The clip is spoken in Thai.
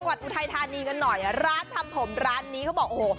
อุทัยธานีกันหน่อยร้านทำผมร้านนี้เขาบอกโอ้โห